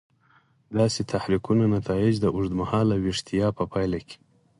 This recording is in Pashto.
داسې تحریکونو نتایج د اوږد مهاله ویښتیا په پایله کې.